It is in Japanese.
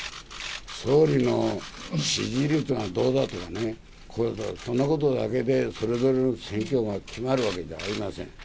総理の支持率がどうだとかね、これ、そんなことだけでそれぞれの選挙が決まるわけじゃありません。